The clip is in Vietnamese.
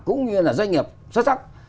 cũng như là doanh nghiệp xuất sắc